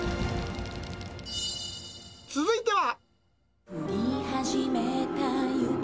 続いては。